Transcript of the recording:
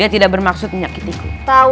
atas perang raci rasa